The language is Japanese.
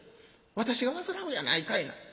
『私が患うやないかいな。